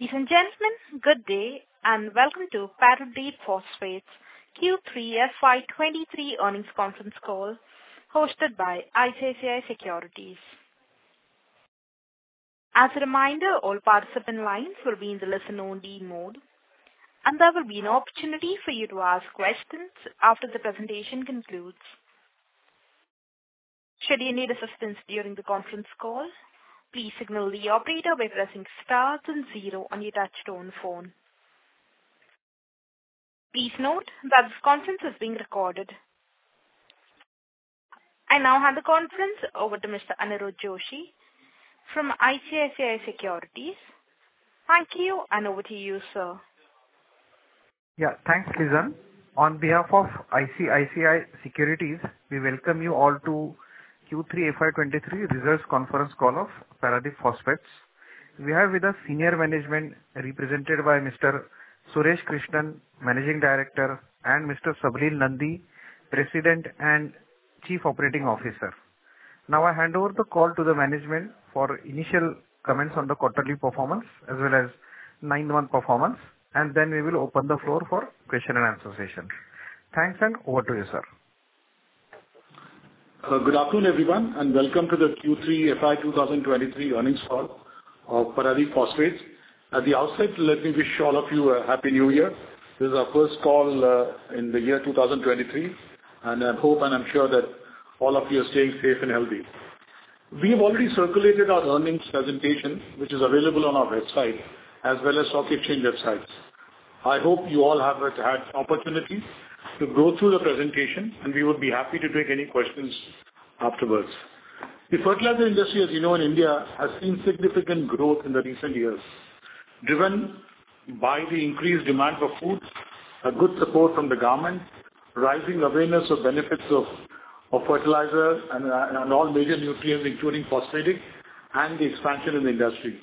Ladies and gentlemen, good day, and welcome to Paradeep Phosphates Q3 FY23 Earnings Conference Call, hosted by ICICI Securities. As a reminder, all participant lines will be in the listen-only mode, and there will be an opportunity for you to ask questions after the presentation concludes. Should you need assistance during the conference call, please signal the operator by pressing star then zero on your touchtone phone. Please note that this conference is being recorded. I now hand the conference over to Mr. Aniruddha Joshi from ICICI Securities. Thank you, and over to you, sir. Yeah, thanks, Lizan. On behalf of ICICI Securities, we welcome you all to Q3 FY23 Results Conference Call of Paradeep Phosphates. We have with us senior management, represented by Mr. Suresh Krishnan, Managing Director, and Mr. Sabaleel Nandy, President and Chief Operating Officer. Now, I hand over the call to the management for initial comments on the quarterly performance, as well as 9-month performance, and then we will open the floor for question and answer session. Thanks, and over to you, sir. Good afternoon, everyone, and welcome to the Q3 FY 2023 Earnings Call of Paradeep Phosphates. At the outset, let me wish all of you a Happy New Year. This is our first call in the year 2023, and I hope and I'm sure that all of you are staying safe and healthy. We have already circulated our earnings presentation, which is available on our website as well as stock exchange websites. I hope you all have had opportunity to go through the presentation, and we would be happy to take any questions afterwards. The fertilizer industry, as you know, in India, has seen significant growth in the recent years, driven by the increased demand for food, a good support from the government, rising awareness of benefits of fertilizer and all major nutrients, including phosphatic, and the expansion in the industry.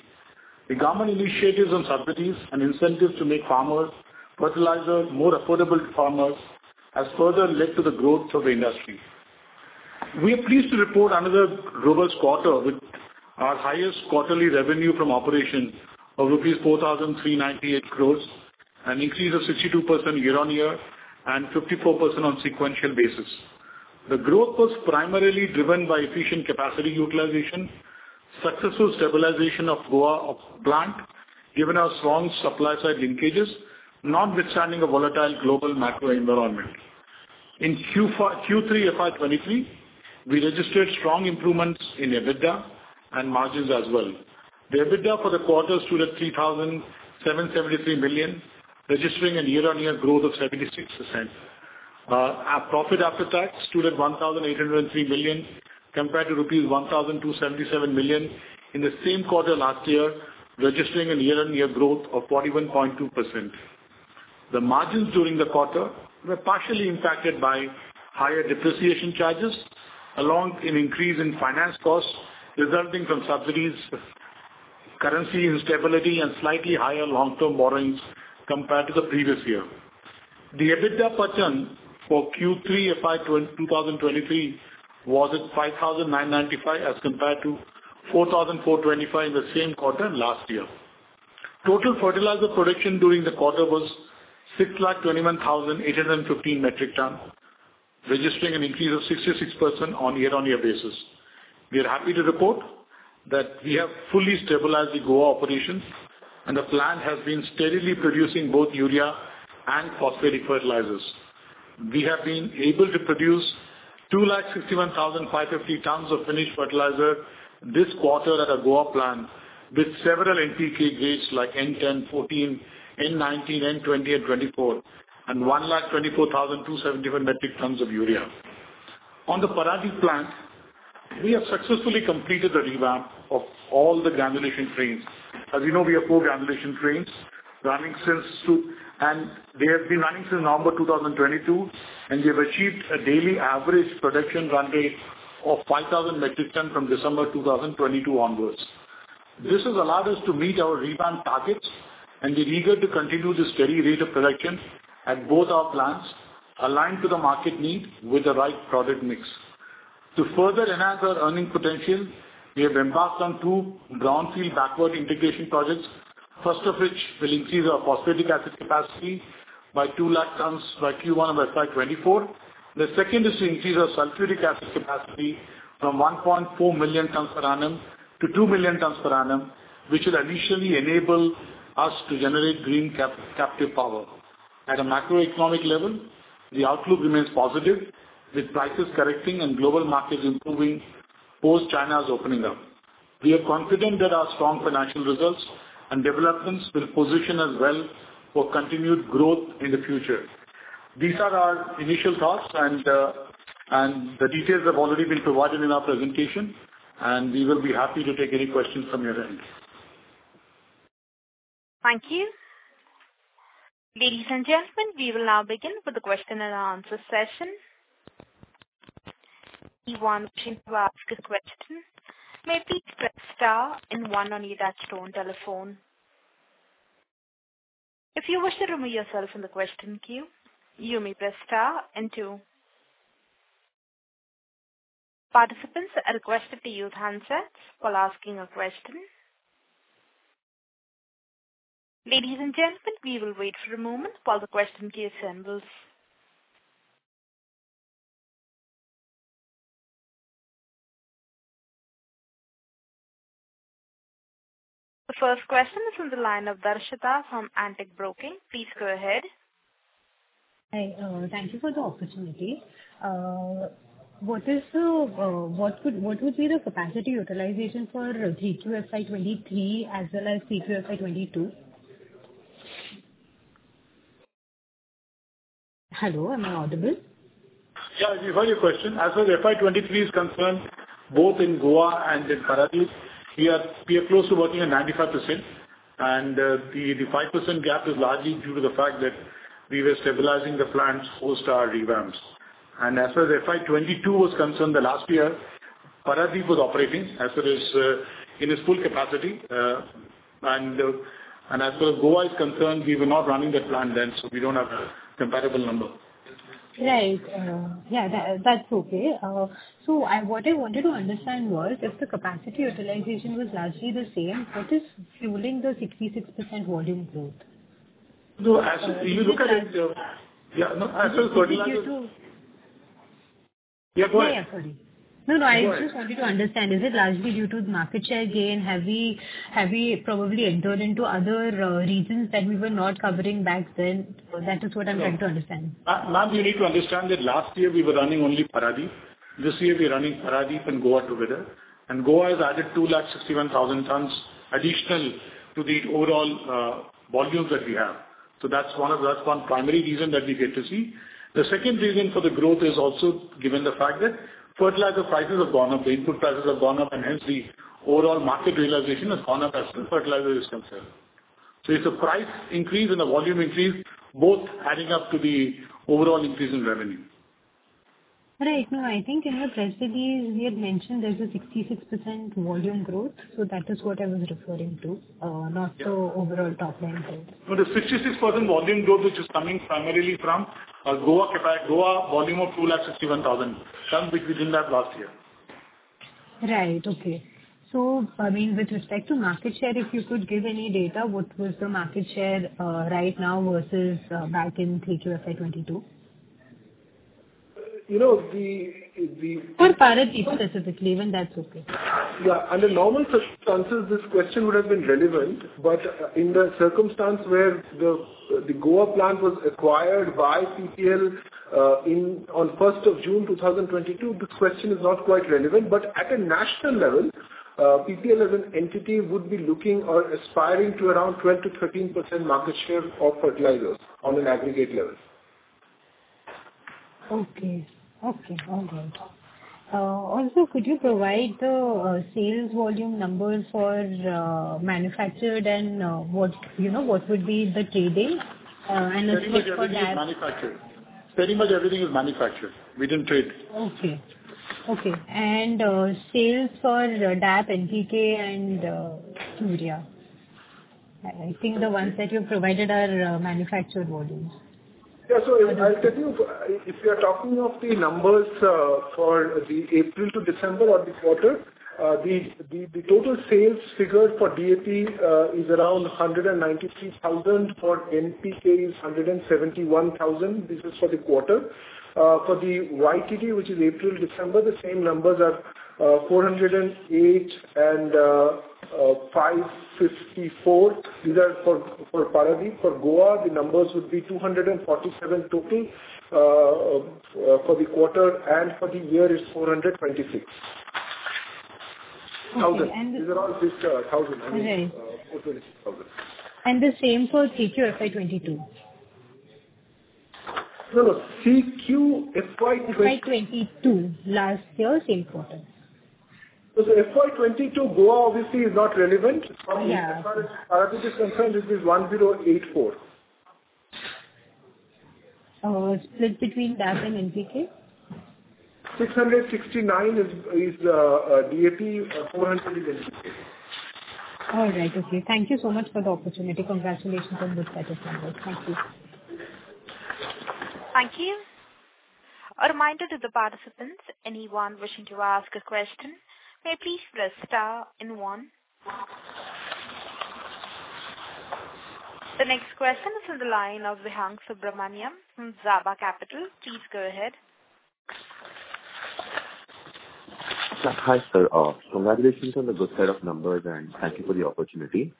The government initiatives on subsidies and incentives to make farmers, fertilizers more affordable to farmers, has further led to the growth of the industry. We are pleased to report another robust quarter with our highest quarterly revenue from operation of rupees 4,398 crores, an increase of 62% year-on-year, and 54% on sequential basis. The growth was primarily driven by efficient capacity utilization, successful stabilization of Goa, of plant, given our strong supply side linkages, notwithstanding a volatile global macro environment. In Q3 FY 2023, we registered strong improvements in EBITDA and margins as well. The EBITDA for the quarter stood at 3,773 million, registering a year-on-year growth of 76%. Our profit after tax stood at 1,803 million, compared to rupees 1,277 million in the same quarter last year, registering a year-on-year growth of 41.2%. The margins during the quarter were partially impacted by higher depreciation charges, along an increase in finance costs resulting from subsidies, currency instability, and slightly higher long-term borrowings compared to the previous year. The EBITDA margin for Q3 FY 2023 was at 5,995 million, as compared to 4,425 million the same quarter last year. Total fertilizer production during the quarter was 621,815 metric ton, registering an increase of 66% on year-on-year basis. We are happy to report that we have fully stabilized the Goa operations, and the plant has been steadily producing both urea and phosphatic fertilizers. We have been able to produce 261,550 tons of finished fertilizer this quarter at our Goa plant, with several NPK grades like N10, N14, N19, N20 and N24, and 124,271 metric tons of urea. On the Paradip plant, we have successfully completed the revamp of all the granulation trains. As you know, we have four granulation trains running since 2, and they have been running since November 2022, and we have achieved a daily average production run rate of 5,000 metric tons from December 2022 onwards. This has allowed us to meet our revamp targets, and we're eager to continue the steady rate of production at both our plants aligned to the market need with the right product mix. To further enhance our earning potential, we have embarked on two brownfield backward integration projects, first of which will increase our phosphoric acid capacity by 200,000 tons by Q1 of FY 2024. The second is to increase our sulfuric acid capacity from 1.4 million tons per annum to 2 million tons per annum, which will initially enable us to generate captive power. At a macroeconomic level, the outlook remains positive, with prices correcting and global markets improving post China's opening up. We are confident that our strong financial results and developments will position us well for continued growth in the future. These are our initial thoughts, and the details have already been provided in our presentation, and we will be happy to take any questions from your end. Thank you. Ladies and gentlemen, we will now begin with the question and answer session. If you want to ask a question, maybe press star and one on your touchtone telephone. If you wish to remove yourself from the question queue, you may press star and two. Participants are requested to use handsets while asking a question. Ladies and gentlemen, we will wait for a moment while the question queue assembles. The first question is on the line of Darshita from Antique Stock Broking. Please go ahead. Hi, thank you for the opportunity. What would be the capacity utilization for 3QFY 23 as well as 3QFY 22? Hello, am I audible? Yeah, before your question, as far as FY 2023 is concerned, both in Goa and in Paradip, we are, we are close to working at 95%, and the 5% gap is largely due to the fact that we were stabilizing the plants post our revamps. And as far as FY 2022 was concerned, the last year, Paradip was operating as it is in its full capacity. And as far as Goa is concerned, we were not running that plant then, so we don't have a comparable number. Right. Yeah, that, that's okay. So, what I wanted to understand was if the capacity utilization was largely the same, what is fueling the 66% volume growth? So as you look at it, yeah, no, as far as fertilizer- Due to... Yeah, go ahead. Yeah, sorry. Go ahead. No, no, I just wanted to understand, is it largely due to the market share gain? Have we probably entered into other regions that we were not covering back then? That is what I'm trying to understand. Ma'am, you need to understand that last year we were running only Paradip. This year we are running Paradip and Goa together, and Goa has added 261,000 tons additional to the overall, volumes that we have. So that's one of the, that's one primary reason that we get to see. The second reason for the growth is also given the fact that fertilizer prices have gone up, the input prices have gone up, and hence the overall market realization has gone up as the fertilizer is concerned. So it's a price increase and a volume increase, both adding up to the overall increase in revenue. Right. No, I think in your press release, we had mentioned there's a 66% volume growth, so that is what I was referring to, not the- Yeah. Overall top line growth. No, the 66% volume growth, which is coming primarily from Goa volume of 261,000 tons, which we didn't have last year. Right. Okay. I mean, with respect to market share, if you could give any data, what was the market share right now versus back in 3Q FY22? You know, For Paradip specifically, even that's okay. Yeah. Under normal circumstances, this question would have been relevant, but in the circumstance where the Goa plant was acquired by PPL on first of June 2022, this question is not quite relevant. But at a national level, PPL as an entity would be looking or aspiring to around 12%-13% market share of fertilizers on an aggregate level. Okay. Okay, all right. Also, could you provide the sales volume numbers for manufactured and what, you know, what would be trade days? And also for that- Pretty much everything is manufactured. Pretty much everything is manufactured. We didn't trade. Okay. Okay, and sales for DAP, NPK and urea. I, I think the ones that you've provided are manufactured volumes. Yeah. So I'll tell you, if you are talking of the numbers, for the April to December or the quarter, the total sales figure for DAP is around 193,000, for NPK is 171,000. This is for the quarter. For the YTD, which is April, December, the same numbers are 408 and 554. These are for Paradip. For Goa, the numbers would be 247 total for the quarter, and for the year it's 426- Okay, and the- Thousand. These are all just, thousand. Right. 426,000. The same for 3QFY 22. No, no. 3QFY 20- FY 2022, last year, same quarter. FY 2022, Goa obviously is not relevant. Yeah. As far as Paradip is concerned, it is 1084. Split between DAP and NPK? 669 is DAP, 400 is NPK. All right. Okay. Thank you so much for the opportunity. Congratulations on this set of numbers. Thank you. Thank you. A reminder to the participants, anyone wishing to ask a question, may please press star and one. The next question is on the line of Vihang Subramanian from Zaaba Capital. Please go ahead. Hi, sir. Congratulations on the good set of numbers, and thank you for the opportunity.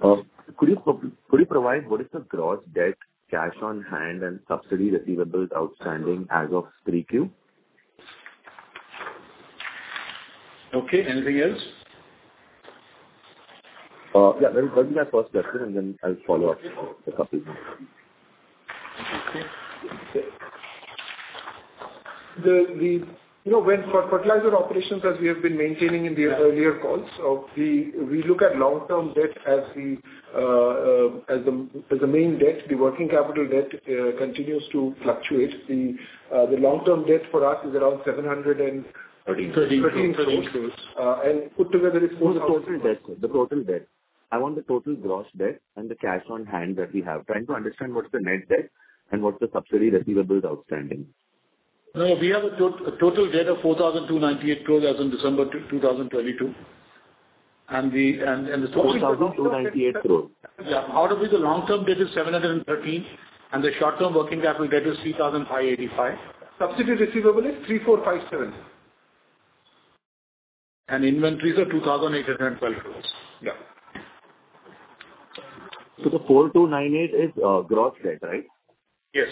Could you provide what is the gross debt, cash on hand and subsidy receivables outstanding as of 3Q? Okay. Anything else? Yeah, that, that'll be my first question, and then I'll follow up with a couple. Okay. You know, when for fertilizer operations, as we have been maintaining in the earlier calls, we look at long-term debt as the main debt. The working capital debt continues to fluctuate. The long-term debt for us is around 700 and- Thirty. 33 crore. And put together it's- No, the total debt, sir. The total debt... I want the total gross debt and the cash on hand that we have. Trying to understand what's the net debt and what's the subsidiary receivables outstanding. No, we have a total debt of 4,298 crore as on December 2, 2022. And the- 4,298 crore. Yeah. Out of which, the long-term debt is 713 crore, and the short-term working capital debt is 3,585 crores. Subsidy receivable is 3,457 crores. Inventories are 2,812 crores. Yeah. So the 4,298 is gross debt, right? Yes.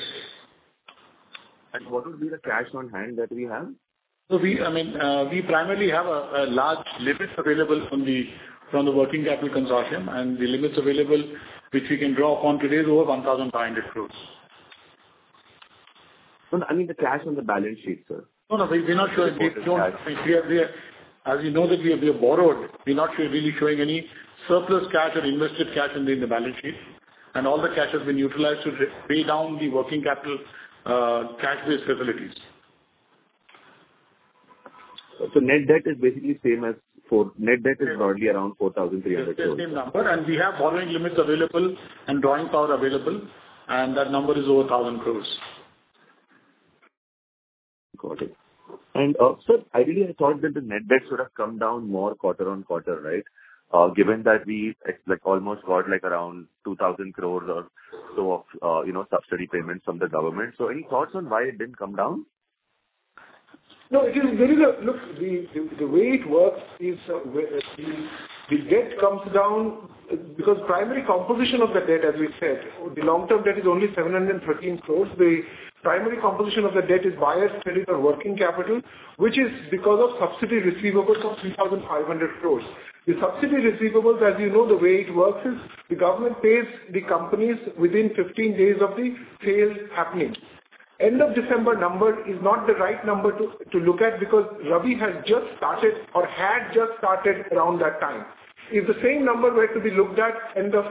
What would be the cash on hand that we have? We, I mean, we primarily have a large limit available from the working capital consortium, and the limits available, which we can draw upon today, is over 1,500 crore. No, I mean, the cash on the balance sheet, sir. No, no, we're not showing. As you know that we have, we have borrowed. We're not really showing any surplus cash or invested cash in the balance sheet, and all the cash has been utilized to pay down the working capital, cash-based facilities. Net debt is broadly around 4,300. It's the same number, and we have borrowing limits available and drawing power available, and that number is over 1,000 crore. Got it. And, sir, I really thought that the net debt should have come down more quarter on quarter, right? Given that we like, almost got like around 2,000 crore or so of, you know, subsidy payments from the government. So any thoughts on why it didn't come down? No, it is very good. Look, the way it works is, the debt comes down because primary composition of the debt, as we said, the long-term debt is only 713 crore. The primary composition of the debt is biased towards the working capital, which is because of subsidy receivables of 3,500 crore. The subsidy receivables, as you know, the way it works is the government pays the companies within 15 days of the sale happening. End of December number is not the right number to look at because Rabi has just started or had just started around that time. If the same number were to be looked at end of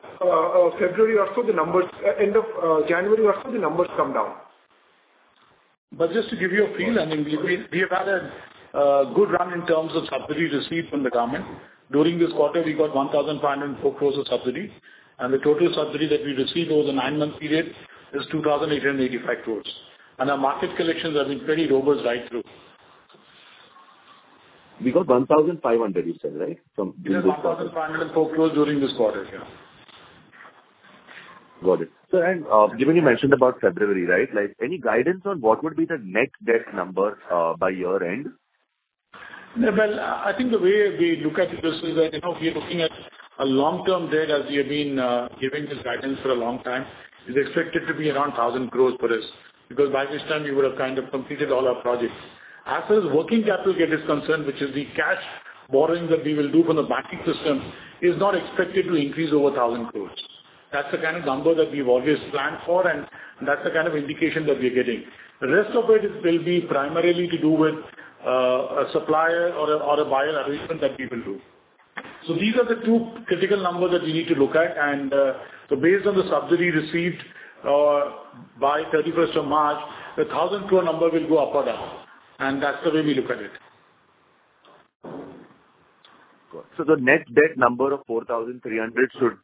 February or so, the numbers end of January or so, the numbers come down. Just to give you a feel, I mean, we have had a good run in terms of subsidy received from the government. During this quarter, we got 1,500 crores of subsidy, and the total subsidy that we received over the nine-month period is 2,885 crores. Our market collections have been very robust right through. We got 1,500, you said, right? From the- Yes, 1,500 crore during this quarter, yeah. Got it. So, given you mentioned about February, right? Like, any guidance on what would be the net debt number by year-end? Well, I think the way we look at it is, you know, we are looking at a long-term debt, as we have been, giving this guidance for a long time, is expected to be around 1,000 crore for us, because by this time, we would have kind of completed all our projects. As far as working capital debt is concerned, which is the cash borrowing that we will do from the banking system, is not expected to increase over 1,000 crore. That's the kind of number that we've always planned for, and that's the kind of indication that we are getting. The rest of it is, will be primarily to do with, a supplier or a, or a buyer arrangement that we will do. These are the two critical numbers that we need to look at, and, so based on the subsidy received, by thirty-first of March, the 1,000 crore number will go up or down, and that's the way we look at it. The net debt number of 4,300 should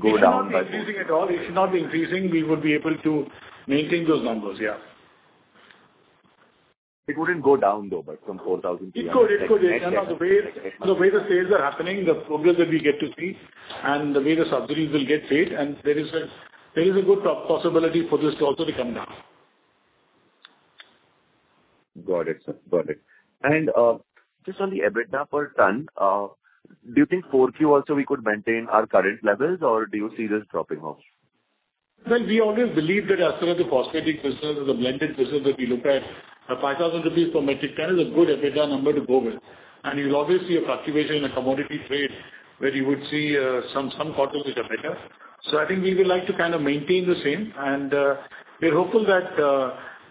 go down by- It should not be increasing at all. It should not be increasing. We would be able to maintain those numbers, yeah. It wouldn't go down, though, but from 4,300- It could. The way the sales are happening, the progress that we get to see, and the way the subsidies will get paid, and there is a good possibility for this to also come down. Got it, sir. Got it. And just on the EBITDA per ton, do you think Q4 also we could maintain our current levels, or do you see this dropping off? Well, we always believe that as far as the phosphatic business or the blended business that we look at, 5,000 rupees per metric ton is a good EBITDA number to go with. And you'll obviously a fluctuation in the commodity trade, where you would see, some, some quarters which are better. So I think we would like to kind of maintain the same, and, we're hopeful that,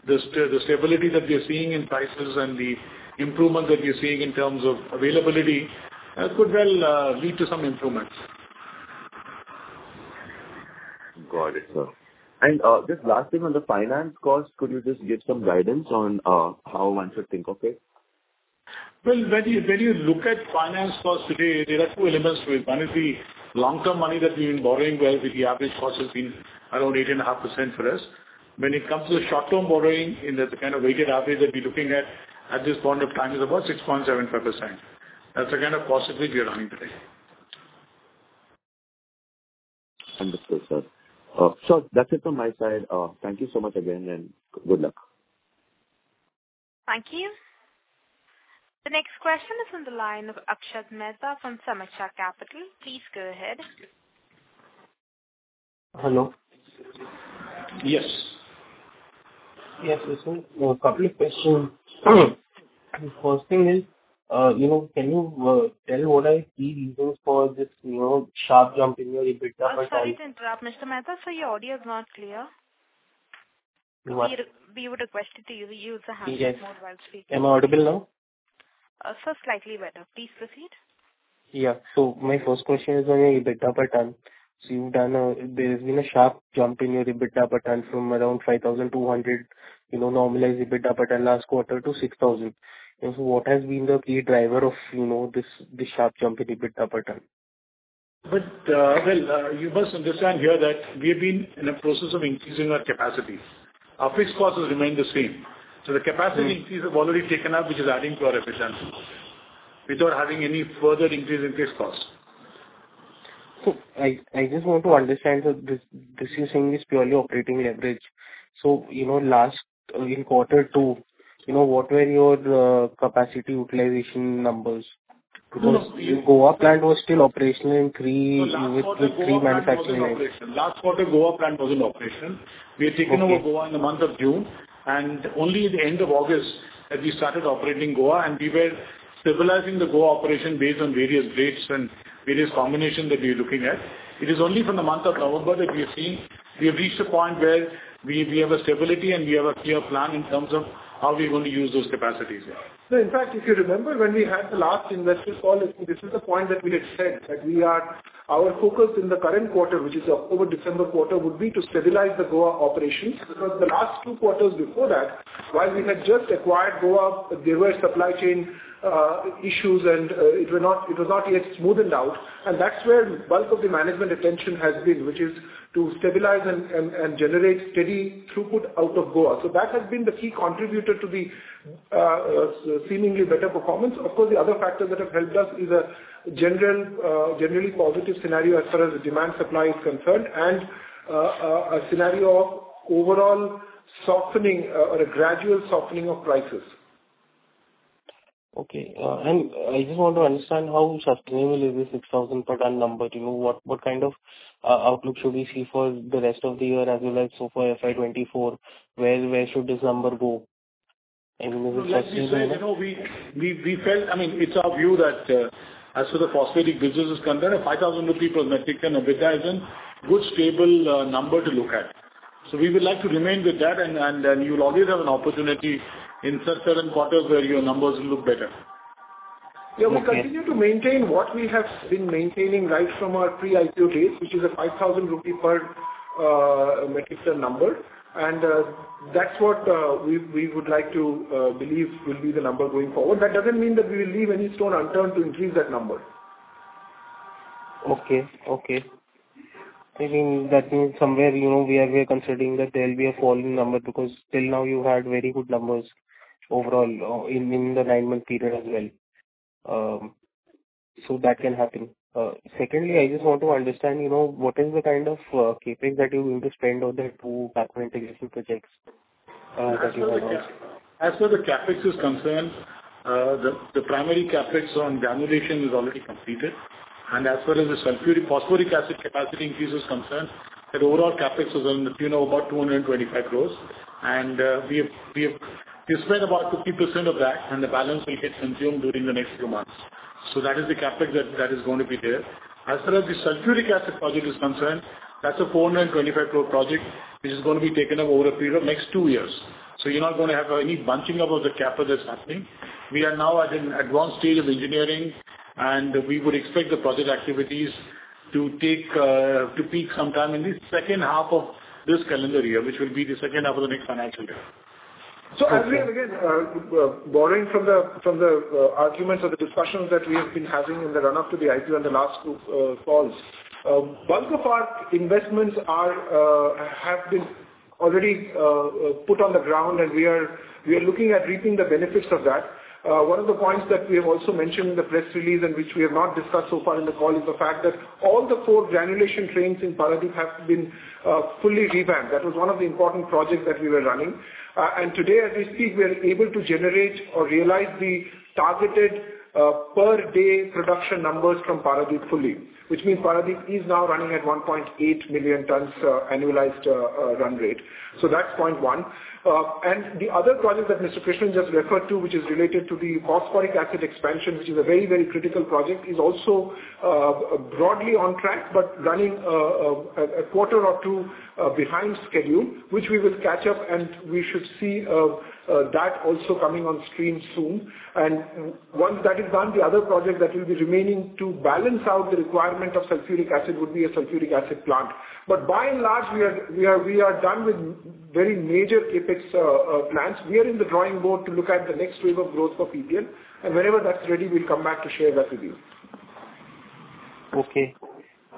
the stability that we are seeing in prices and the improvement that we are seeing in terms of availability, could well, lead to some improvements. Got it, sir. Just last thing on the finance cost, could you just give some guidance on how one should think of it? Well, when you look at finance costs today, there are two elements to it. One is the long-term money that we've been borrowing, where the average cost has been around 8.5% for us. When it comes to short-term borrowing, in the kind of weighted average that we're looking at, at this point of time, is about 6.75%. That's the kind of costing we are running today. Understood, sir. That's it from my side. Thank you so much again, and good luck. Thank you. The next question is on the line of Akshat Mehta from Sameeksha Capital. Please go ahead. Hello. Yes. Yes, listen, couple of questions. The first thing is, you know, can you tell what are key reasons for this, you know, sharp jump in your EBITDA per ton? I'm sorry to interrupt, Mr. Mehta. Sir, your audio is not clear. What? We would request you to use a handset mode while speaking. Yes. Am I audible now? Sir, slightly better. Please proceed. Yeah. So my first question is on the EBITDA per ton. So you've done, there's been a sharp jump in your EBITDA per ton from around 5,200, you know, normalized EBITDA per ton last quarter to 6,000. And so what has been the key driver of, you know, this, this sharp jump in EBITDA per ton? But, well, you must understand here that we have been in a process of increasing our capacity. Our fixed costs have remained the same. So the capacity increase has already taken up, which is adding to our efficiency, without having any further increase in fixed cost. So I just want to understand that this you're saying is purely operating leverage. So, you know, last in quarter two, you know, what were your capacity utilization numbers? No, no, we- Goa plant was still operational in three- Last quarter Goa plant was in operation. With three manufacturing units. Last quarter, Goa plant was in operation. Okay. We had taken over Goa in the month of June, and only at the end of August that we started operating Goa, and we were stabilizing the Goa operation based on various grades and various combinations that we were looking at. It is only from the month of November that we have seen... We have reached a point where we, we have a stability and we have a clear plan in terms of how we're going to use those capacities. In fact, if you remember when we had the last investors call, this is the point that we had said, that our focus in the current quarter, which is October-December quarter, would be to stabilize the Goa operations. Because the last two quarters before that, while we had just acquired Goa, there were supply chain issues, and it was not yet smoothened out. And that's where bulk of the management attention has been, which is to stabilize and generate steady throughput out of Goa. So that has been the key contributor to the seemingly better performance. Of course, the other factor that have helped us is a general, generally positive scenario as far as the demand supply is concerned, and a scenario of overall softening or a gradual softening of prices. Okay. And I just want to understand how sustainable is the 6,000 per ton number? Do you know what kind of outlook should we see for the rest of the year, as well as so far FY 2024, where should this number go? And will it sustain- Like we said, you know, we felt... I mean, it's our view that, as far as the phosphoric business is concerned, 5,000 per metric ton EBITDA is a good, stable number to look at. So we would like to remain with that, and you'll always have an opportunity in certain quarters where your numbers look better. Okay. Yeah, we continue to maintain what we have been maintaining right from our pre-IPO days, which is an 5,000 rupee per metric ton number. That's what we would like to believe will be the number going forward. That doesn't mean that we will leave any stone unturned to increase that number. Okay. Okay. I think that means somewhere, you know, we are, we are considering that there will be a fall in number, because till now, you had very good numbers overall, in the nine-month period as well. So that can happen. Secondly, I just want to understand, you know, what is the kind of CapEx that you're going to spend on the two backward integration projects that you have announced? As far as the CapEx is concerned, the primary CapEx on granulation is already completed. As far as the sulfuric—phosphoric acid capacity increase is concerned, the overall CapEx is on, you know, about INR 225 crore. And we've spent about 50% of that, and the balance will get consumed during the next few months. That is the CapEx that is going to be there. As far as the sulfuric acid project is concerned, that's a 425 crore project, which is going to be taken over a period of next two years. You're not going to have any bunching about the CapEx that's happening. We are now at an advanced stage of engineering, and we would expect the project activities to peak sometime in the second half of this calendar year, which will be the second half of the next financial year. Okay. So as we are, again, borrowing from the, from the, arguments or the discussions that we have been having in the run-up to the IPO and the last two calls, bulk of our investments are, have been already put on the ground, and we are looking at reaping the benefits of that. One of the points that we have also mentioned in the press release, and which we have not discussed so far in the call, is the fact that all four granulation trains in Paradip have been fully revamped. That was one of the important projects that we were running. Today, as we speak, we are able to generate or realize the targeted per-day production numbers from Paradip fully, which means Paradip is now running at 1.8 million tons annualized run rate. So that's point 1. The other project that Mr. Krishnan just referred to, which is related to the phosphoric acid expansion, which is a very, very critical project, is also broadly on track, but running a quarter or two behind schedule, which we will catch up, and we should see that also coming on stream soon. Once that is done, the other project that will be remaining to balance out the requirement of sulfuric acid would be a sulfuric acid plant. But by and large, we are done with very major CapEx plans. We are in the drawing board to look at the next wave of growth for PPL, and whenever that's ready, we'll come back to share that with you. Okay.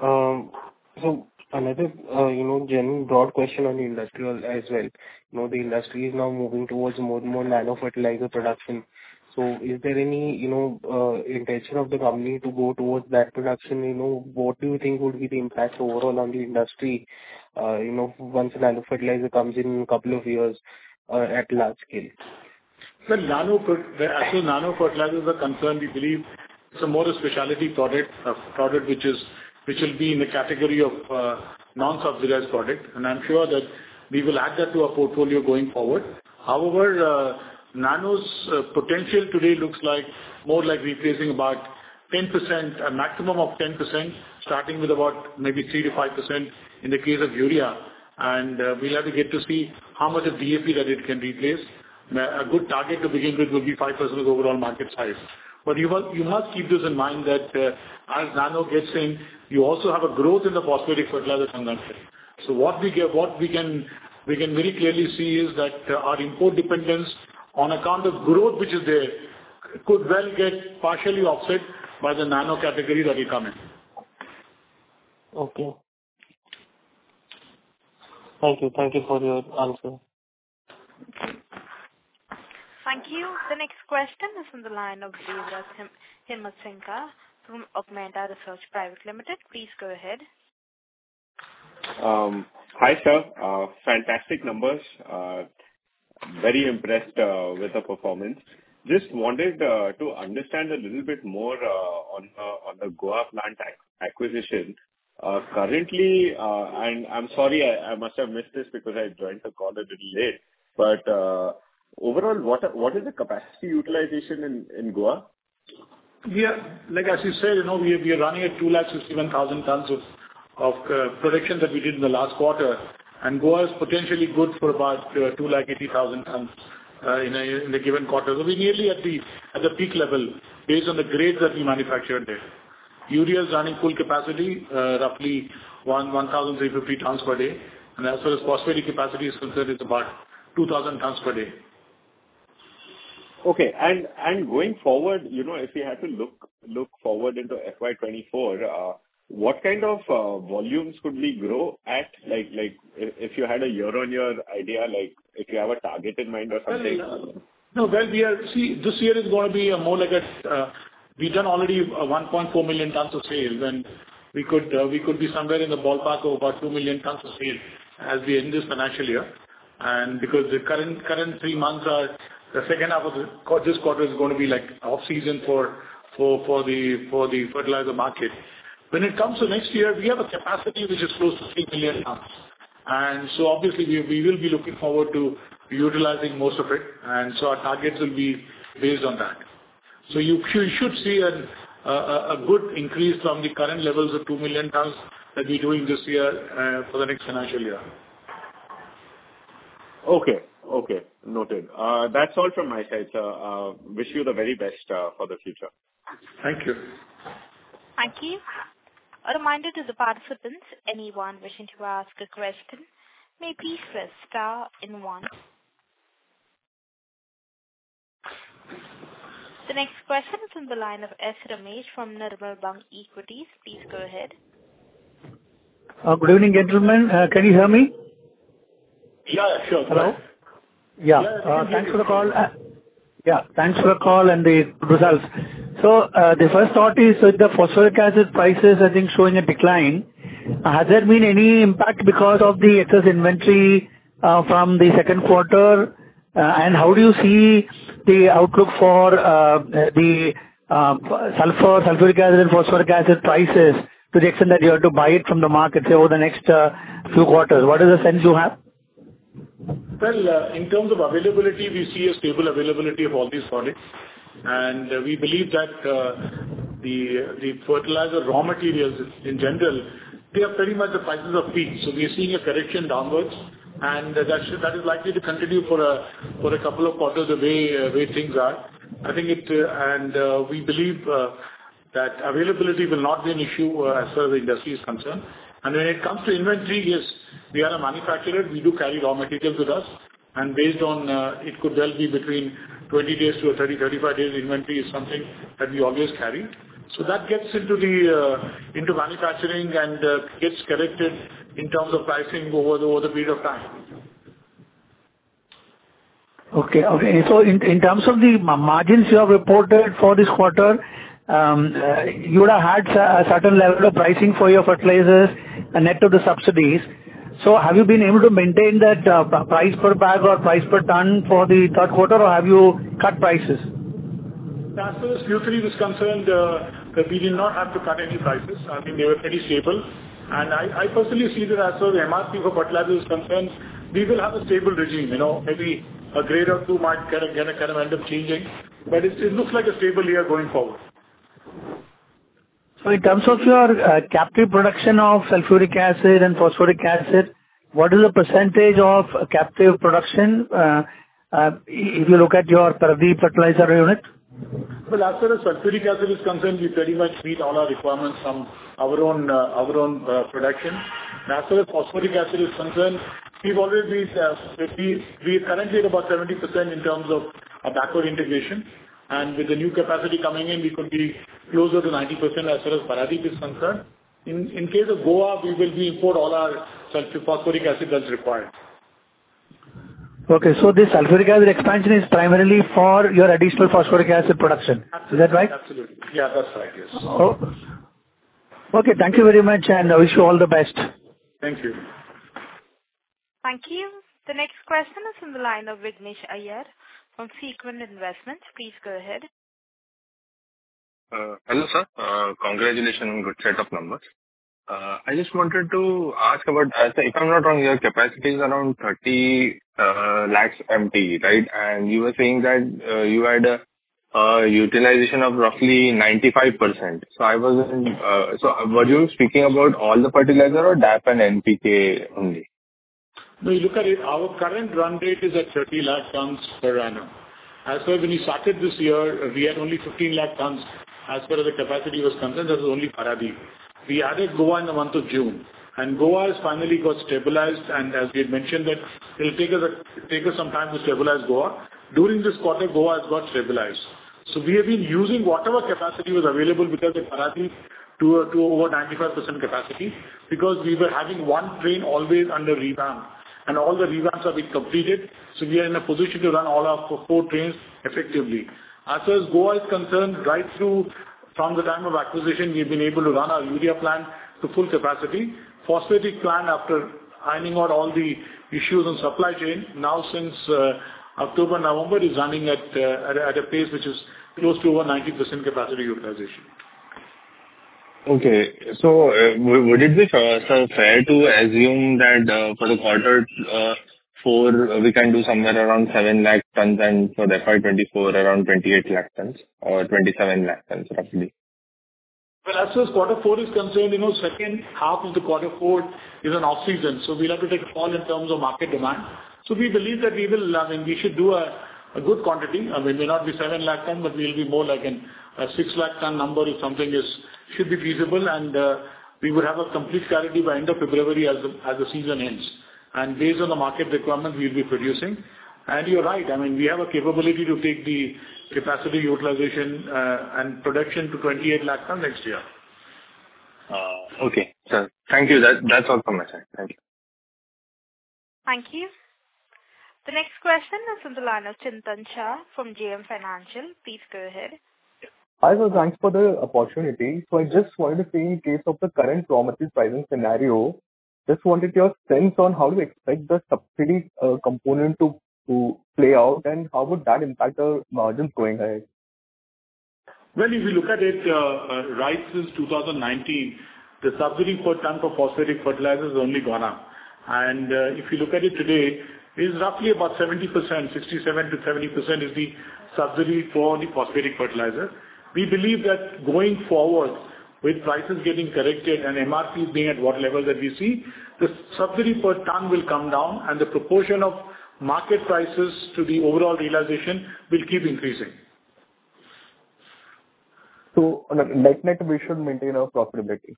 So another, you know, general broad question on the industrial as well. You know, the industry is now moving towards more and more nano fertilizer production. So is there any, you know, intention of the company to go towards that production? You know, what do you think would be the impact overall on the industry, you know, once nano fertilizer comes in couple of years, at large scale? Well, nano fertilizers as far as nano fertilizers are concerned, we believe it's a more a specialty product, product, which is, which will be in the category of, non-subsidized product, and I'm sure that we will add that to our portfolio going forward. However, nano's potential today looks like more like replacing about 10%, a maximum of 10%, starting with about maybe 3%-5% in the case of urea....And, we'll have to get to see how much of DAP that it can replace. A good target to begin with will be 5% of overall market size. But you must, you must keep this in mind, that, as nano gets in, you also have a growth in the phosphoric fertilizer consumption. What we can very clearly see is that our import dependence on account of growth which is there could well get partially offset by the Nano category that will come in. Okay. Thank you. Thank you for your answer. Thank you. The next question is on the line of Devvrat Himatsingka from Augmenta Research Private Limited. Please go ahead. Hi, sir. Fantastic numbers. Very impressed with the performance. Just wanted to understand a little bit more on the Goa plant acquisition. Currently, and I'm sorry, I must have missed this because I joined the call a little late. But overall, what is the capacity utilization in Goa? We are-- Like, as you said, you know, we are, we are running at 267,000 tonnes of production that we did in the last quarter, and Goa is potentially good for about 280,000 tonnes in the given quarter. So we're nearly at the peak level, based on the grades that we manufactured there. Urea is running full capacity, roughly 1,350 tonnes per day, and as far as phosphoric capacity is concerned, it's about 2,000 tonnes per day. Okay. And going forward, you know, if we had to look forward into FY 2024, what kind of volumes could we grow at? Like, if you had a year-on-year idea, like, if you have a target in mind or something. Well, no, well, we are. See, this year is going to be more like a, we've done already 1.4 million tonnes of sales, and we could, we could be somewhere in the ballpark of about 2 million tonnes of sales as we end this financial year. And because the current three months are the second half of the—this quarter is going to be, like, off-season for the fertilizer market. When it comes to next year, we have a capacity which is close to 3 million tonnes. And so obviously, we will be looking forward to utilizing most of it, and so our targets will be based on that. So you should see a good increase from the current levels of 2 million tons that we're doing this year, for the next financial year. Okay. Okay, noted. That's all from my side, sir. Wish you the very best for the future. Thank you. Thank you. A reminder to the participants, anyone wishing to ask a question, may please press star and one. The next question is on the line of S. Ramesh from Nirmal Bang Equities. Please go ahead. Good evening, gentlemen. Can you hear me? Yes, sure. Hello? Yeah. Yes. Thanks for the call. Yeah, thanks for the call and the results. So, the first thought is with the Phosphoric acid prices, I think, showing a decline, has there been any impact because of the excess inventory from the second quarter? And how do you see the outlook for the sulfur, Sulfuric acid, and Phosphoric acid prices to the extent that you have to buy it from the markets over the next few quarters? What is the sense you have? Well, in terms of availability, we see a stable availability of all these products. And we believe that, the fertilizer raw materials in general, they are pretty much the prices of feed. So we are seeing a correction downwards, and that should, that is likely to continue for a couple of quarters the way, the way things are. I think it. And, we believe, that availability will not be an issue, as far as the industry is concerned. And when it comes to inventory, yes, we are a manufacturer. We do carry raw materials with us, and based on, it could well be between 20 days to a 30-35 days inventory is something that we always carry. That gets into manufacturing and gets corrected in terms of pricing over the period of time. Okay, okay. So in terms of the margins you have reported for this quarter, you would have had a certain level of pricing for your fertilizers, a net of the subsidies. So have you been able to maintain that price per bag or price per tonne for the third quarter, or have you cut prices? As far as phosphoric is concerned, we did not have to cut any prices. I mean, they were pretty stable. And I personally see that as far as the MRP for fertilizer is concerned, we will have a stable regime. You know, maybe a grade or two might get a kind of end up changing, but it looks like a stable year going forward. So in terms of your captive production of sulfuric acid and phosphoric acid, what is the percentage of captive production, if you look at your Paradip fertilizer unit? Well, as far as sulfuric acid is concerned, we pretty much meet all our requirements from our own production. As far as phosphoric acid is concerned, we've already we are currently at about 70% in terms of a backward integration, and with the new capacity coming in, we could be closer to 90% as far as Paradip is concerned. In case of Goa, we will import all our sulfur-- phosphoric acid that's required. Okay, so this sulfuric acid expansion is primarily for your additional phosphoric acid production. Absolutely. Is that right? Absolutely. Yeah, that's right, yes. Oh. Okay, thank you very much, and I wish you all the best. Thank you. Thank you. The next question is on the line of Vignesh Iyer from Sequent Investments. Please go ahead. Hello, sir. Congratulations on good set of numbers. I just wanted to ask about, if I'm not wrong, your capacity is around 30 lakhs MT, right? And you were saying that you had utilization of roughly 95%. So, were you speaking about all the fertilizer or DAP and NPK only? No, if you look at it, our current run rate is at 30 lakh tons per annum. As for when we started this year, we had only 15 lakh tons. As far as the capacity was concerned, that was only Paradip. We added Goa in the month of June, and Goa has finally got stabilized, and as we had mentioned that it'll take us some time to stabilize Goa. During this quarter, Goa has got stabilized. So we have been using whatever capacity was available because of Paradip to over 95% capacity, because we were having one train always under revamp, and all the revamps have been completed, so we are in a position to run all our 4 trains effectively. As far as Goa is concerned, right through from the time of acquisition, we've been able to run our urea plant to full capacity. Phosphatic plant, after ironing out all the issues on supply chain, now since October, November, is running at a pace which is close to over 90% capacity utilization. Okay. So, would it be, sir, fair to assume that, for the quarter four, we can do somewhere around 7 lakh tons and for the FY 2024, around 28 lakh tons or 27 lakh tons, roughly? Well, as far as Quarter Four is concerned, you know, second half of the Quarter Four is an off-season, so we'll have to take a call in terms of market demand. So we believe that we will, I mean, we should do a, a good quantity. It may not be 700,000 tons, but we'll be more like a 600,000 tons number, if something is should be feasible, and we would have a complete clarity by end of February as the season ends. And based on the market requirement, we'll be producing. And you're right, I mean, we have a capability to take the capacity, utilization, and production to 2,800,000 tons next year. Okay, sir. Thank you. That, that's all from my side. Thank you. Thank you. The next question is from the line of Chintan Shah from JM Financial. Please go ahead. Hi, sir. Thanks for the opportunity. So I just wanted to see in case of the current raw material pricing scenario, just wanted your sense on how to expect the subsidy, component to play out, and how would that impact the margins going ahead? Well, if you look at it, right, since 2019, the subsidy per ton for phosphatic fertilizer has only gone up. And, if you look at it today, it's roughly about 70%, 67%-70% is the subsidy for the phosphatic fertilizer. We believe that going forward, with prices getting corrected and MRP being at what level that we see, the subsidy per ton will come down, and the proportion of market prices to the overall realization will keep increasing. So on a net, net, we should maintain our profitability?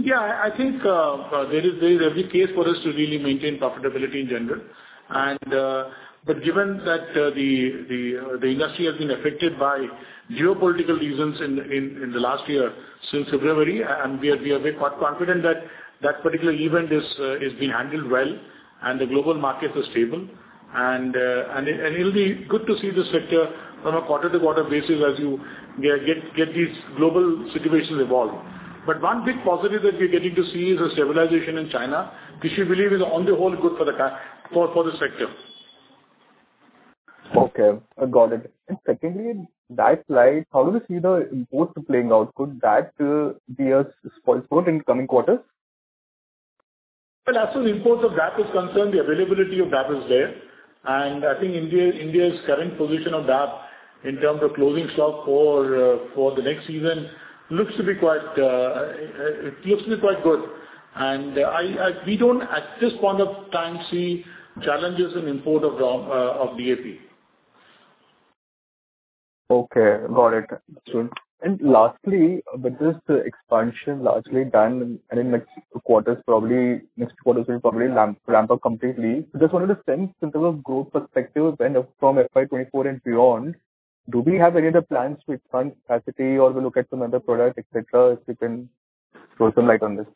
Yeah, I think, there is every case for us to really maintain profitability in general. But given that, the industry has been affected by geopolitical reasons in the last year, since February, and we are very quite confident that that particular event is being handled well and the global market is stable. And it'll be good to see the sector from a quarter to quarter basis as you get these global situations evolve. But one big positive that we're getting to see is a stabilization in China, which we believe is on the whole good for the co- for the sector. Okay, I got it. And secondly, in that slide, how do we see the imports playing out? Could that be a spoil sport in the coming quarters? Well, as far as imports of DAP is concerned, the availability of DAP is there, and I think India's current position of DAP in terms of closing stock for the next season looks to be quite good. And we don't, at this point of time, see challenges in import of DAP. Okay, got it. Sure. And lastly, with this expansion largely done and in next quarters, probably next quarter will probably ramp up completely, just wanted a sense in terms of growth perspective and from FY2024 and beyond, do we have any other plans to expand capacity or we look at some other products, et cetera? If you can throw some light on this.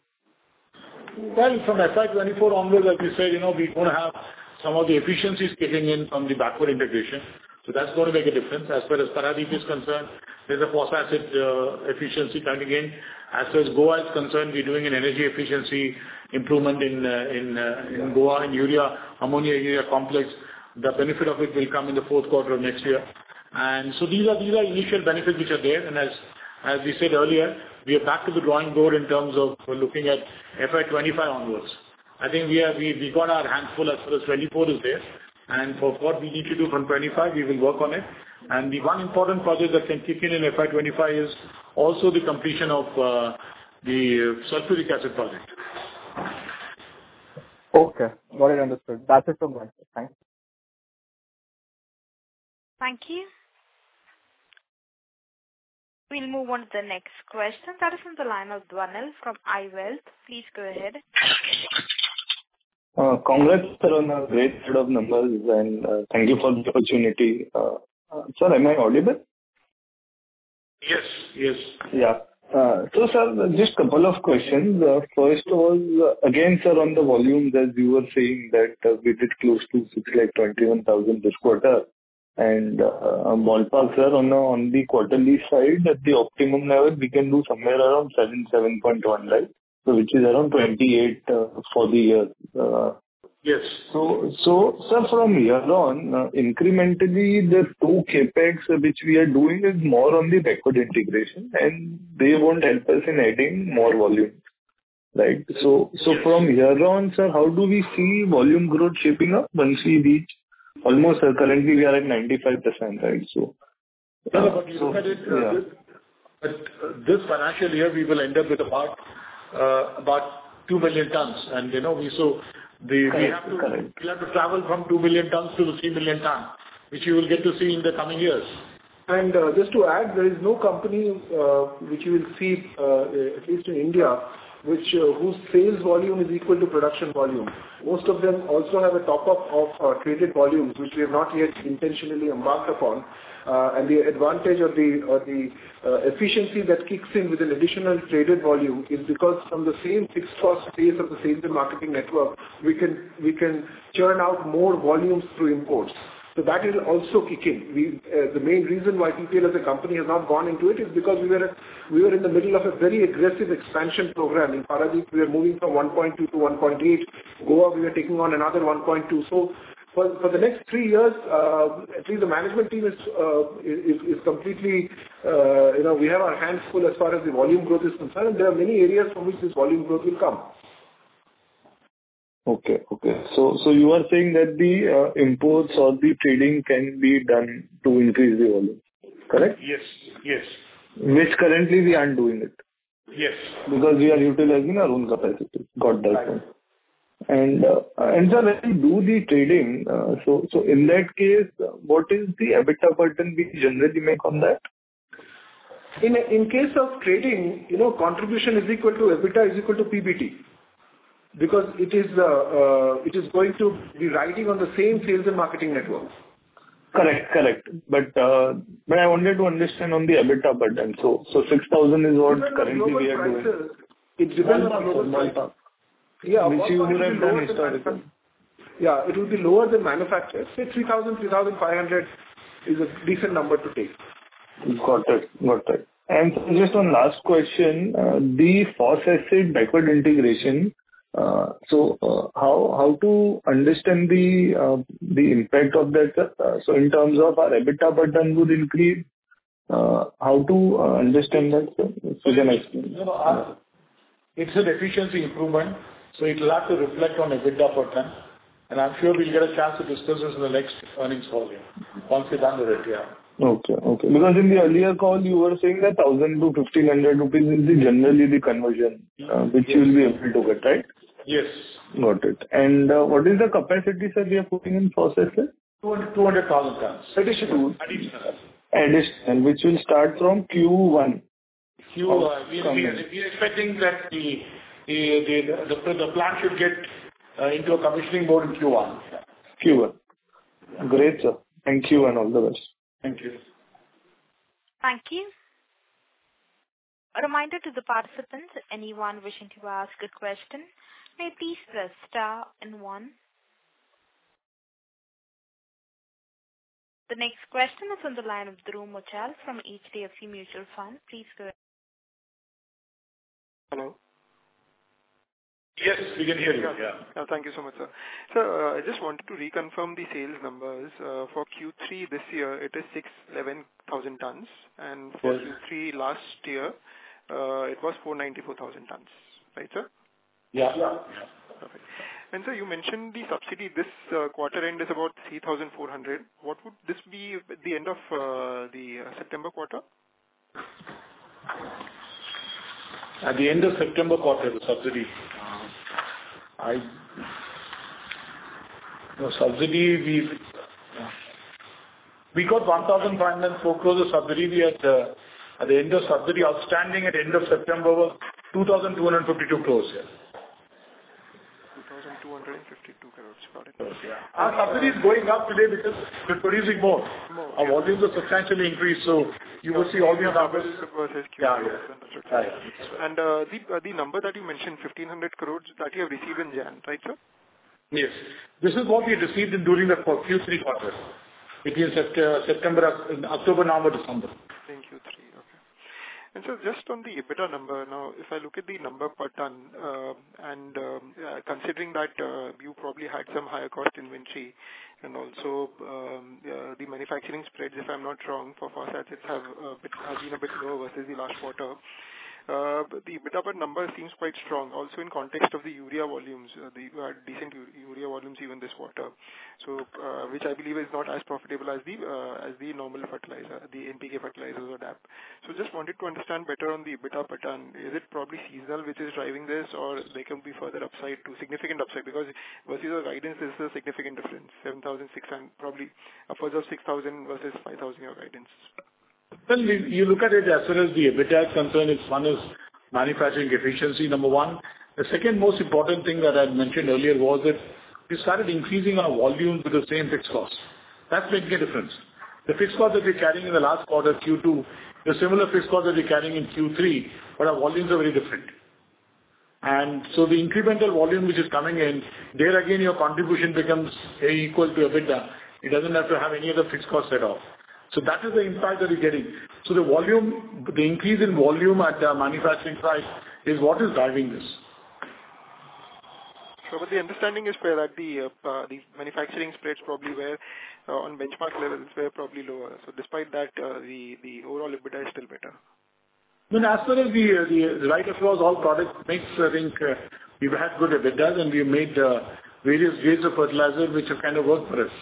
Well, from FY 2024 onwards, like we said, you know, we're gonna have some of the efficiencies kicking in from the backward integration. So that's going to make a difference. As far as Paradip is concerned, there's a phos acid efficiency coming in. As far as Goa is concerned, we're doing an energy efficiency improvement in Goa, in urea, ammonia-urea complex. The benefit of it will come in the fourth quarter of next year. And so these are initial benefits which are there, and as we said earlier, we are back to the drawing board in terms of we're looking at FY 2025 onwards. I think we are. We got our hands full as far as 2024 is there, and for what we need to do from 2025, we will work on it. The one important project that can kick in in FY 2025 is also the completion of the sulfuric acid project. Okay, got it, understood. That's it from my end. Thanks. Thank you. We'll move on to the next question. That is from the line of Dhwanil from iWealth. Please go ahead. Congrats, sir, on a great set of numbers, and thank you for the opportunity. Sir, am I audible? Yes, yes. Yeah. So sir, just couple of questions. First was, again, sir, on the volume, that you were saying that we did close to 68,210 this quarter, and on the quarterly side, at the optimum level, we can do somewhere around 77.1 lakh, so which is around 28 for the year. Yes. So, so, sir, from here on, incrementally, the two CapEx which we are doing is more on the backward integration, and they won't help us in adding more volume? Right. So, so from here on sir, how do we see volume growth shaping up once we reach almost, currently we are at 95%, right? So- No, but you look at it- Yeah. But this financial year, we will end up with about, about 2 million tons. And, you know, we saw the- Correct. We have to, we'll have to travel from 2 million tons to 3 million tons, which you will get to see in the coming years. And, just to add, there is no company, which you will see, at least in India, which, whose sales volume is equal to production volume. Most of them also have a top-up of, traded volumes, which we have not yet intentionally marked upon. And the advantage of the, of the, efficiency that kicks in with an additional traded volume is because from the same fixed cost base of the sales and marketing network, we can, we can churn out more volumes through imports. So that is also kicking. The main reason why PPL as a company has not gone into it, is because we were, we were in the middle of a very aggressive expansion program. In Paradip, we are moving from 1.2 to 1.8. Goa, we are taking on another 1.2. So for the next 3 years, at least the management team is completely, you know, we have our hands full as far as the volume growth is concerned, and there are many areas from which this volume growth will come. Okay, okay. So, so you are saying that the imports or the trading can be done to increase the volume, correct? Yes, yes. Which currently we aren't doing it? Yes. Because we are utilizing our own capacity. Got that. Right. Sir, when you do the trading, so in that case, what is the EBITDA per ton we generally make on that? In case of trading, you know, contribution is equal to EBITDA is equal to PBT, because it is, it is going to be riding on the same sales and marketing networks. Correct, correct. But, but I wanted to understand on the EBITDA per ton. So, so 6,000 is what currently we are doing. It depends on the global prices. It depends on the global prices. Yeah. Which you derived from historical. Yeah, it will be lower than manufacturer. Say 3,000-3,500 is a decent number to take. Got it. Got it. And just one last question, the phosphate backward integration, so, how to understand the impact of that, sir? So in terms of our EBITDA per ton would increase, how to understand that, sir? So then I understand. No, it's an efficiency improvement, so it'll have to reflect on EBITDA per ton. I'm sure we'll get a chance to discuss this in the next earnings call year, once we're done with it. Yeah. Okay, okay. Because in the earlier call, you were saying that 1,000-1,500 rupees will be generally the conversion-which you will be able to get, right? Yes. Got it. And, what is the capacity, sir, we are putting in phosphate? 200,000 tons. Additional. Additional. Additional, which will start from Q1. Q1. From there. We are expecting that the plant should get into a commissioning mode in Q1. Q1. Great, sir. Thank you and all the best. Thank you. Thank you. A reminder to the participants, anyone wishing to ask a question, may please press star and one. The next question is on the line of Dhruv Muchhal from HDFC Mutual Fund. Please go ahead. Hello. Yes, we can hear you. Yeah. Yeah. Thank you so much, sir. Sir, I just wanted to reconfirm the sales numbers. For Q3 this year, it is 611,000 tons. Yes. For Q3 last year, it was 494,000 tons. Right, sir? Yeah, yeah. Perfect. And, sir, you mentioned the subsidy this quarter end is about 3,400. What would this be at the end of the September quarter? At the end of September quarter, the subsidy, The subsidy we got 1,504 crores of subsidy at, at the end of subsidy. Outstanding at end of September was 2,252 crores, yeah. 2,252 crores. Got it. Our subsidy is going up today because we're producing more. More. Our volumes have substantially increased, so you will see all the numbers. Versus Q4. Yeah, yeah. Right. The number that you mentioned, 1,500 crore, that you have received in January, right, sir? Yes. This is what we received during the Q3 quarter, between September, October, November, December. Thank you, Suresh. Okay. So just on the EBITDA number, now, if I look at the number per ton, and considering that you probably had some higher cost inventory, and also the manufacturing spread, if I'm not wrong, for phosphates has been a bit lower versus the last quarter. But the EBITDA number seems quite strong, also in context of the urea volumes. You had decent urea volumes even this quarter, so which I believe is not as profitable as the normal fertilizer, the NPK fertilizers or DAP. So just wanted to understand better on the EBITDA per ton. Is it probably seasonal, which is driving this, or they can be further upside to significant upside? Because versus the guidance, there's a significant difference, 7,006 and probably a further 6,000 versus 5,000, your guidance. Well, you look at it as far as the EBITDA is concerned, it's number one: manufacturing efficiency. The second most important thing that I mentioned earlier was that we started increasing our volume with the same fixed cost. That's making a difference. The fixed cost that we're carrying in the last quarter, Q2, the similar fixed cost that we're carrying in Q3, but our volumes are very different. And so the incremental volume which is coming in, there again, your contribution becomes equal to EBITDA. It doesn't have to have any other fixed costs at all. So that is the impact that we're getting. So the volume, the increase in volume at the manufacturing price is what is driving this. So but the understanding is clear that the manufacturing spreads probably were on benchmark levels, were probably lower. So despite that, the overall EBITDA is still better. Well, as far as the right across all products mix, I think we've had good EBITDA, and we made various grades of fertilizer which have kind of worked for us.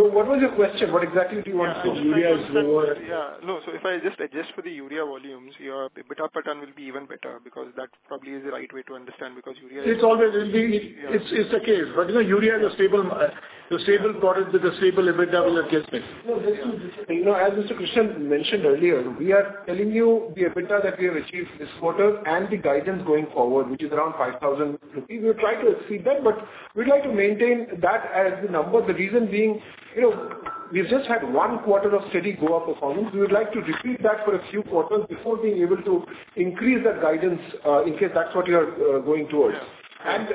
So what was your question? What exactly do you want to know? Urea is lower. Yeah, no. So if I just adjust for the urea volumes, your EBITDA per ton will be even better, because that probably is the right way to understand, because urea- It's always will be- Yeah. It's, it's the case. But, you know, urea is a stable, a stable product with a stable EBITDA that gets it. No, just to, you know, as Mr. Krishnan mentioned earlier, we are telling you the EBITDA that we have achieved this quarter and the guidance going forward, which is around 5,000 rupees. We'll try to exceed that, but we'd like to maintain that as the number. The reason being, you know, we've just had one quarter of steady Goa performance. We would like to repeat that for a few quarters before being able to increase that guidance, in case that's what you are going towards. Yeah. And,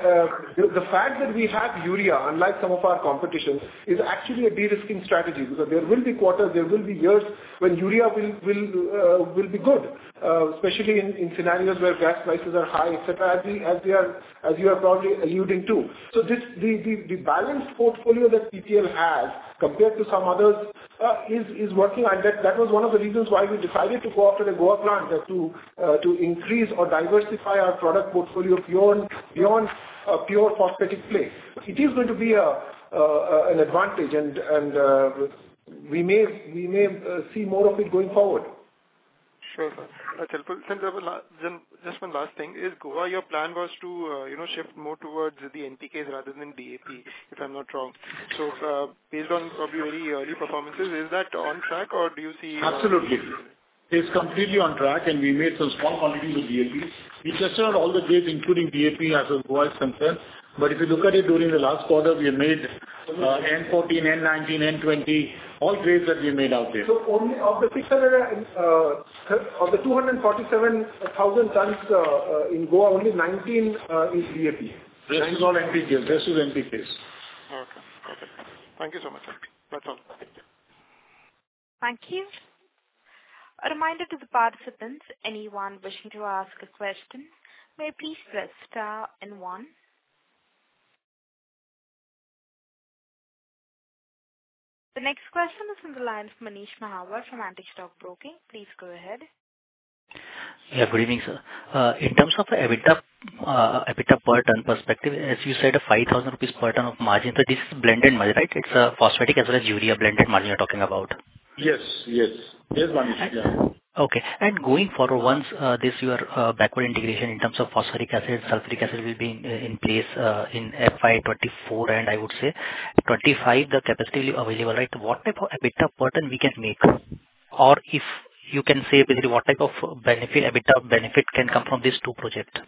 the fact that we have urea, unlike some of our competition, is actually a de-risking strategy. Because there will be quarters, there will be years when urea will be good, especially in scenarios where gas prices are high, et cetera, as we are, as you are probably alluding to. So this, the balanced portfolio that PPL has compared to some others, is working. And that was one of the reasons why we decided to go after the Goa plant, to increase or diversify our product portfolio beyond a pure phosphate play. It is going to be an advantage, and we may see more of it going forward. Sure, sir. That's helpful. Since I have... Just one last thing. Is Goa, your plan was to, you know, shift more towards the NPKs rather than DAP, if I'm not wrong. So, based on probably early, early performances, is that on track or do you see- Absolutely. It's completely on track, and we made some small quantities of DAP. We touched on all the grades, including DAP, as Goa is concerned. But if you look at it, during the last quarter, we have made N-14, N-19, N-20, all grades that we made out there. So only, of the six, of the 247,000 tons in Goa, only 19 is DAP. Rest is all NPK. Rest is NPKs. Okay. Okay. Thank you so much. That's all. Thank you. A reminder to the participants, anyone wishing to ask a question, may please press star and one. The next question is from the line of Manish Mahawar from Antique Stock Broking. Please go ahead. Yeah, good evening, sir. In terms of the EBITDA, EBITDA per ton perspective, as you said, a 5,000 rupees per ton of margin, so this is blended margin, right? It's a phosphatic as well as urea blended margin you're talking about. Yes, yes. Yes, Manish. Yeah. Okay. Going forward, once this your backward integration in terms of phosphoric acid, sulfuric acid will be in place in FY 2024, and I would say 2025, the capacity will be available, right? What type of EBITDA pattern we can make? Or if you can say basically what type of benefit, EBITDA benefit can come from these two project?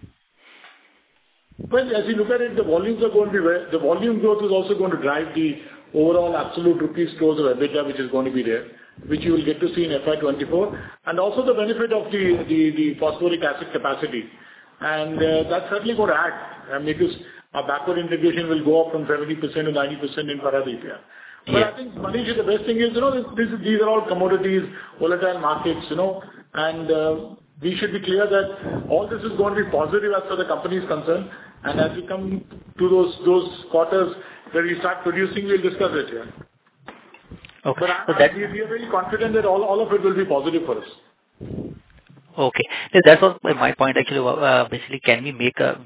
Well, as you look at it, the volumes are going to be where, the volume growth is also going to drive the overall absolute rupee terms or EBITDA, which is going to be there, which you will get to see in FY 2024, and also the benefit of the phosphoric acid capacity. And, that's certainly going to add, and because our backward integration will go up from 70% to 90% in Paradip. Yeah. But I think, Manish, the best thing is, you know, this, these are all commodities, volatile markets, you know, and we should be clear that all this is going to be positive as far as the company is concerned. As we come to those, those quarters where we start producing, we'll discuss it here. Okay. But we are very confident that all of it will be positive for us. Okay. That was my point, actually. Basically,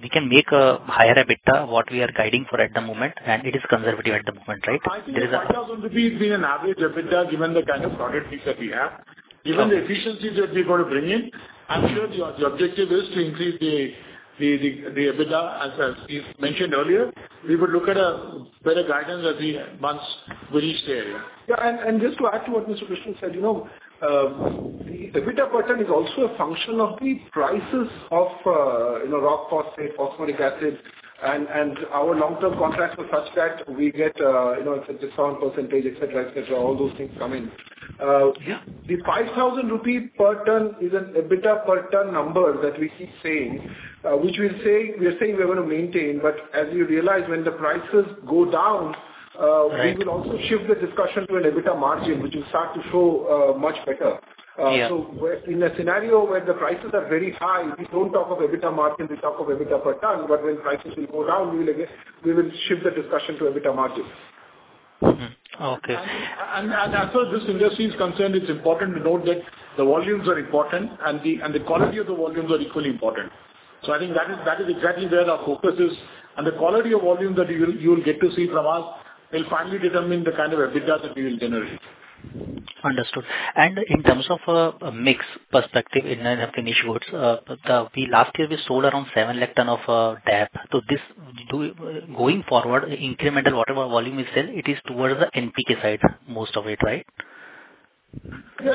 we can make a higher EBITDA, what we are guiding for at the moment, and it is conservative at the moment, right? There is a- I think 5,000 rupees being an average EBITDA, given the kind of product mix that we have. Okay. Given the efficiencies that we are going to bring in, I'm sure the objective is to increase the EBITDA. As we mentioned earlier, we will look at a better guidance as the months will reach there. Yeah, and just to add to what Mr. Krishnan said, you know, the EBITDA pattern is also a function of the prices of, you know, rock phosphate, phosphoric acid, and our long-term contracts are such that we get, you know, it's a discount percentage, et cetera, et cetera. All those things come in. Yeah. The 5,000 rupee per ton is an EBITDA per ton number that we keep saying, which we're saying, we are saying we are going to maintain. But as you realize, when the prices go down- Right We will also shift the discussion to an EBITDA margin, which will start to show, much better. Yeah. So where in a scenario where the prices are very high, we don't talk of EBITDA margin, we talk of EBITDA per ton. But when prices will go down, we will again, we will shift the discussion to EBITDA margin. Mm-hmm. Okay. As far as this industry is concerned, it's important to note that the volumes are important and the quality of the volumes are equally important. So I think that is exactly where our focus is. And the quality of volume that you will get to see from us will finally determine the kind of EBITDA that we will generate. Understood. In terms of a mix perspective in our finished goods, the last year, we sold around 700,000 tons of DAP. So, going forward, incremental, whatever volume we sell, it is towards the NPK side, most of it, right? Yeah.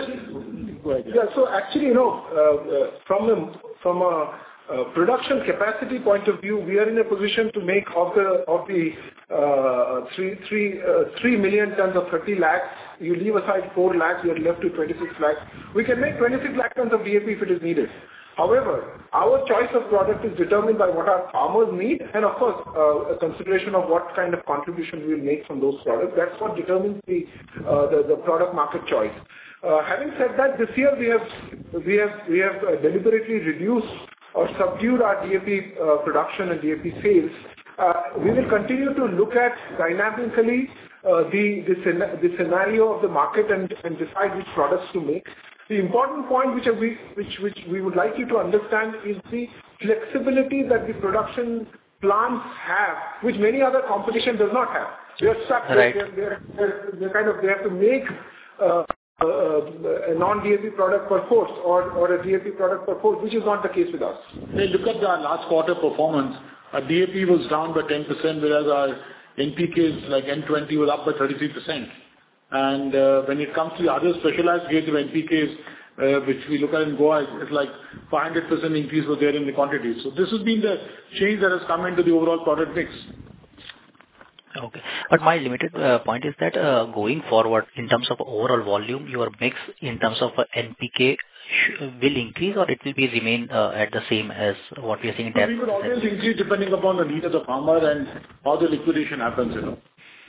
Go ahead. Yeah. So actually, you know, from a production capacity point of view, we are in a position to make of the 3 million tons of 30 lakhs. You leave aside 4 lakhs, you are left to 26 lakhs. We can make 26 lakh tons of DAP if it is needed. However, our choice of product is determined by what our farmers need, and of course, a consideration of what kind of contribution we will make from those products. That's what determines the product market choice. Having said that, this year we have deliberately reduced or subdued our DAP production and DAP sales. We will continue to look at dynamically the scenario of the market and decide which products to make. The important point which we would like you to understand is the flexibility that the production plants have, which many other competition does not have. Right. They're stuck. They're kind of, they have to make a non-DAP product perforce or a DAP product perforce, which is not the case with us. Hey, look at our last quarter performance. Our DAP was down by 10%, whereas our NPKs, like, N-20 was up by 33%. And when it comes to the other specialized grade of NPKs, which we look at in Goa, it's like 500% increase was there in the quantity. So this has been the change that has come into the overall product mix. Okay. But my limited point is that, going forward, in terms of overall volume, your mix in terms of NPK will increase or it will be remain, at the same as what we are seeing in the past? We would always increase depending upon the need of the farmer and how the liquidation happens, you know.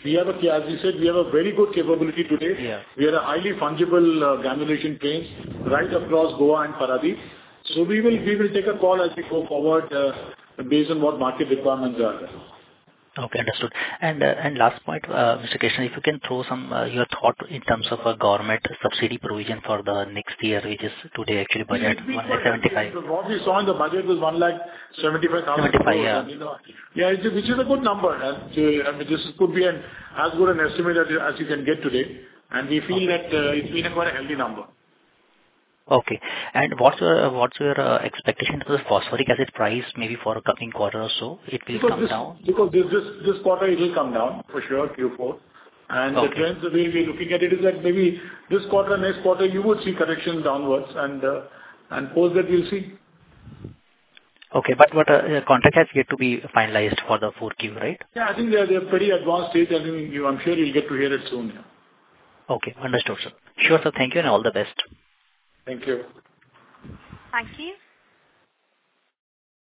We have a, as we said, we have a very good capability today. Yeah. We are a highly fungible granulation plant right across Goa and Paradip. So we will take a call as we go forward, based on what market requirements are. Okay, understood. And last point, Mr. Krishnan, if you can throw some your thought in terms of a government subsidy provision for the next year, which is today actually budget 175. What we saw in the budget was 175,000- Seventy-five. Yeah, you know, yeah, which is a good number. And, I mean, this could be an, as good an estimate as you, as you can get today. And we feel that, we have got a healthy number. Okay. What's your expectation for the phosphoric acid price, maybe for a coming quarter or so? It will come down? Because this, this quarter it will come down, for sure, Q4. Okay. The trends that we'll be looking at it is that maybe this quarter, next quarter, you will see correction downwards and, and post that we'll see. Okay, but what contract has yet to be finalized for the fourth Q, right? Yeah, I think they are pretty advanced stage, and you... I'm sure you'll get to hear it soon. Yeah. Okay, understood, sir. Sure, sir. Thank you and all the best. Thank you. Thank you.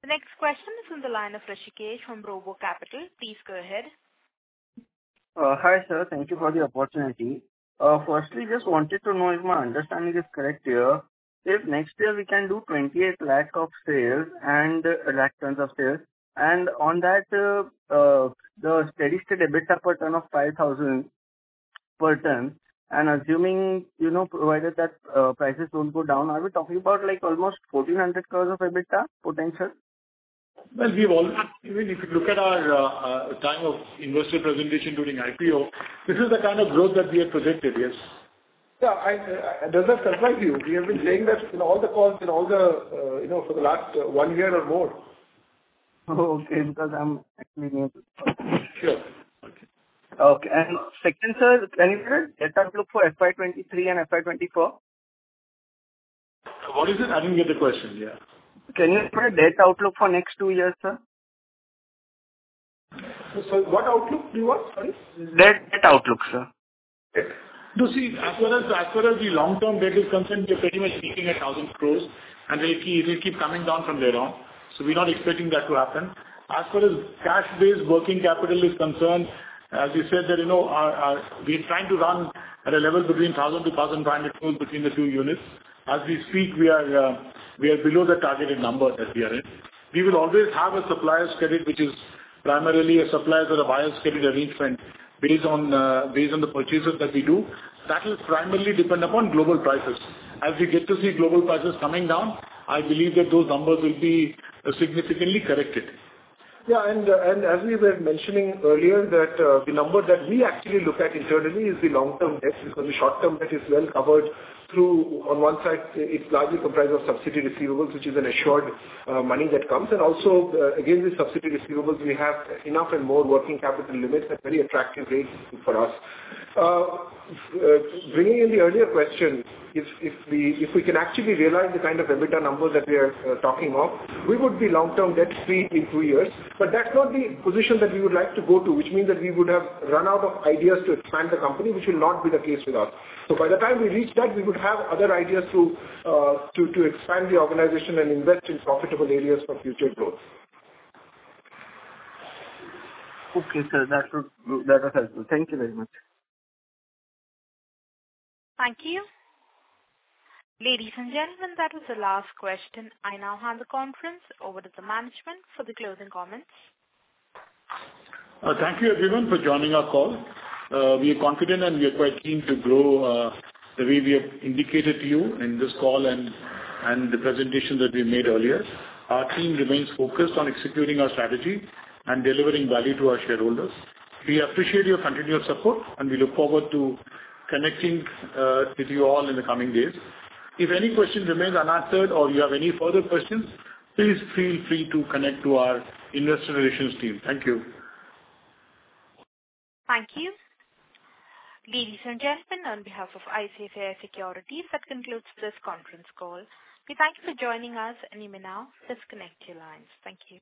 The next question is from the line of Rishikesh from RoboCapital. Please go ahead. Hi, sir. Thank you for the opportunity. Firstly, just wanted to know if my understanding is correct here. If next year we can do 28 lakh tons of sales, and on that, the steady state EBITDA per ton of 5,000 per ton, and assuming, you know, provided that prices don't go down, are we talking about, like, almost 1,400 crore of EBITDA potential? Well, we've all, I mean, if you look at our time of investor presentation during IPO, this is the kind of growth that we had projected. Yes. Yeah, does that surprise you? We have been saying this in all the calls and all the, you know, for the last one year or more. Oh, okay. Because I'm actually new. Sure. Okay. And second, sir, can you share debt outlook for FY 2023 and FY 2024? What is it? I didn't get the question, yeah. Can you share debt outlook for next two years, sir? Sorry, what outlook do you want? Sorry. Debt, debt outlook, sir? You see, as far as the long-term debt is concerned, we're pretty much making 1,000 crore, and it will keep coming down from there on. So we're not expecting that to happen. As far as cash-based working capital is concerned, as you said, that, you know, we're trying to run at a level between 1,000 crore-1,500 crore between the two units. As we speak, we are below the targeted number that we are in. We will always have a suppliers credit, which is primarily a suppliers or a buyers credit arrangement based on the purchases that we do. That will primarily depend upon global prices. As we get to see global prices coming down, I believe that those numbers will be significantly corrected. Yeah, and, and as we were mentioning earlier, that the number that we actually look at internally is the long-term debt, because the short-term debt is well covered through, on one side, it's largely comprised of subsidy receivables, which is an assured money that comes, and also, again, the subsidy receivables, we have enough and more working capital limits at very attractive rates for us. Bringing in the earlier question, if we can actually realize the kind of EBITDA numbers that we are talking of, we would be long-term debt free in two years. But that's not the position that we would like to go to, which means that we would have run out of ideas to expand the company, which will not be the case with us. So by the time we reach that, we would have other ideas to expand the organization and invest in profitable areas for future growth. Okay, sir, that was helpful. Thank you very much. Thank you. Ladies and gentlemen, that was the last question. I now hand the conference over to the management for the closing comments. Thank you, everyone, for joining our call. We are confident and we are quite keen to grow, the way we have indicated to you in this call and, and the presentation that we made earlier. Our team remains focused on executing our strategy and delivering value to our shareholders. We appreciate your continued support, and we look forward to connecting with you all in the coming days. If any question remains unanswered or you have any further questions, please feel free to connect to our investor relations team. Thank you. Thank you. Ladies and gentlemen, on behalf of ICICI Securities, that concludes this conference call. We thank you for joining us, and you may now disconnect your lines. Thank you.